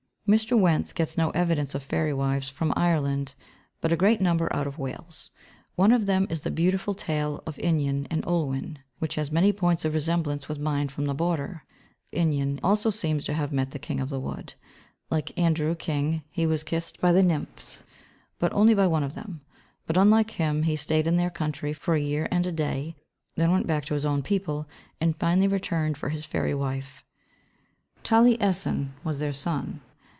Mr. Wentz gets no evidence of fairy wives from Ireland, but a great number out of Wales. One of them is the beautiful tale of Einion and Olwen (p. 161) which has many points of resemblance with mine from the Border. Einion also seems to have met the King of the Wood. Like Andrew King he was kissed by the nymphs, but only by one of them; but unlike him he stayed in their country for a year and a day, then went back to his own people, and finally returned for his fairy wife. Taliesin was their son.